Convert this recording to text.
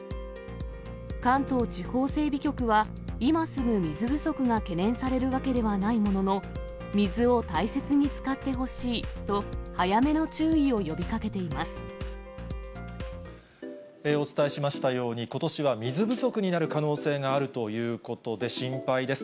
関東地方整備局は、今すぐ水不足が懸念されるわけではないものの、水を大切に使ってほしいと、お伝えしましたように、ことしは水不足になる可能性があるということで、心配です。